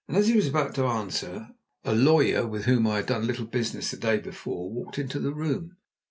As he was about to answer, a lawyer, with whom I had done a little business the day before, walked into the room.